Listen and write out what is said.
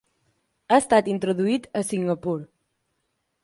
Ha estat introduït a Singapur.